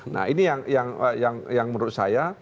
nah ini yang menurut saya